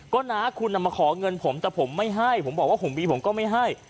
ก็น้าคุณมาขอเงินผมแต่ผมไม่ให้ผมบอกว่าผมมีผมก็ไม่ให้